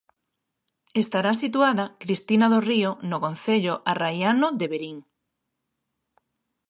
Estará situada, Cristina Dorrío, no concello arraiano de Verín.